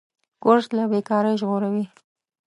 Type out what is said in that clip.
کورس له بېکارۍ ژغوري.